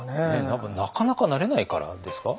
なかなかなれないからですか？